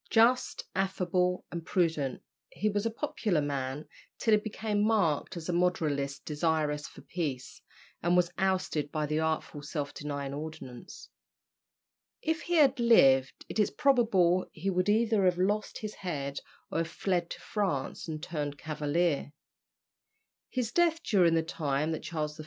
Just, affable, and prudent, he was a popular man till he became marked as a moderatist desirous for peace, and was ousted by the artful "Self denying Ordinance." If he had lived it is probable he would either have lost his head or have fled to France and turned cavalier. His death during the time that Charles I.